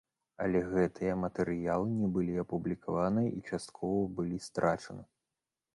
Але гэтыя матэрыялы не былі апублікаваныя і часткова былі страчаны.